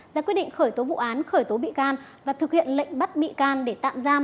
ra quyết định khởi tố vụ án khởi tố bị can và thực hiện lệnh bắt bị can để tạm giam